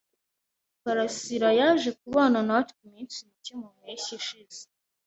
Karasirayaje kubana natwe iminsi mike mu mpeshyi ishize.